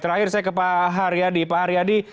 terakhir saya ke pak haryadi pak haryadi